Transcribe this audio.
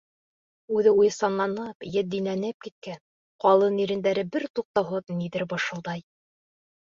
Үҙе уйсанланып, етдиләнеп киткән, ҡалын ирендәре бер туҡтауһыҙ ниҙер бышылдай.